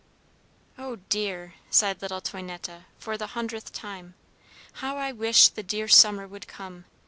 "Oh, dear!" sighed little Toinette for the hundredth time. "How I wish the dear summer would come!